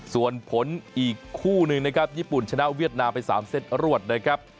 ส่วนผลอีกคู่หนึ่งนะครับญี่ปุ่นชนะเวียดนามไป๓เซตรวดนะครับ